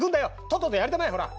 とっととやりたまえほら！